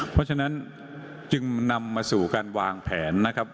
เพราะฉะนั้นจึงนำมาสู่การวางแผนนะครับ